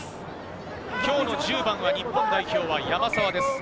今日の１０番は日本代表は山沢です。